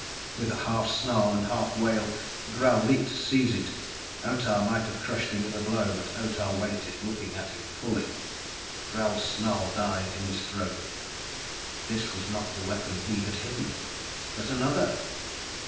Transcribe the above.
With half snarl and half wail, Gral leaped to seize it. Otah might have crushed him with a blow, but Otah waited, looking at him fully. Gral's snarl died in his throat. This was not the weapon he had hidden, but another!